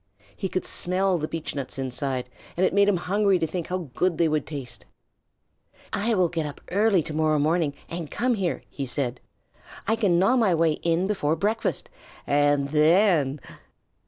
He could smell the beechnuts inside, and it made him hungry to think how good they would taste. "I will get up early to morrow morning and come here," he said. "I can gnaw my way in before breakfast, and then!"